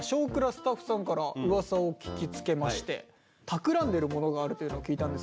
スタッフさんからうわさを聞きつけましてたくらんでるものがあるというのを聞いたんですけど。